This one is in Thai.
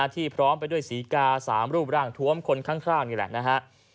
ที่พร้อมไปด้วยศรีกา๓รูปร่างทวมคนข้างนี่แหละนะฮะ